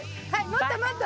もっともっと。